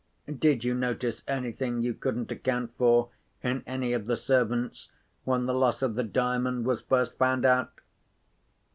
Did you notice anything you couldn't account for in any of the servants when the loss of the Diamond was first found out?"